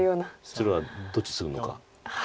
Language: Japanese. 白はどっちツグのか。